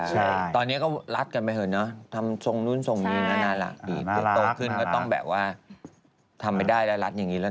ใช่ตอนนี้ก็รัดกันไปเถอะเนอะทำทรงนู้นทรงนี้นะน่ารักดีพอโตขึ้นก็ต้องแบบว่าทำไม่ได้แล้วรัดอย่างนี้แล้ว